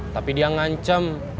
tapi dia ngancem